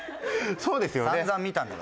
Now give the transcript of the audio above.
そうですよね。